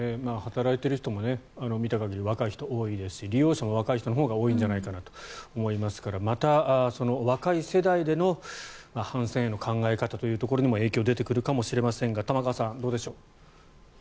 働いている人も見た限り若い人が多いですし利用者も若い人のほうが多いんじゃないかと思いますからまた、若い世代での反戦への考え方にも影響が出てくるかもしれませんが玉川さん、どうでしょう。